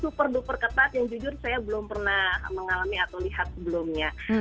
super duper ketat yang jujur saya belum pernah mengalami atau lihat sebelumnya